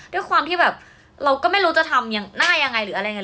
ด้วยความที่แบบเราก็ไม่รู้จะทำอย่างหน้ายังไงหรืออะไรอย่างนี้